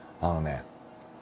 あのね